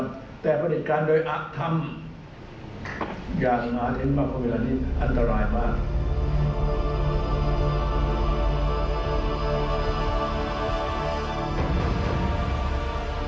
จะทำอย่างนั้นมากของเวลานี้อันตรายปะ